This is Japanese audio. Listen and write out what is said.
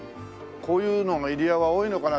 こういうのが入谷は多いのかな？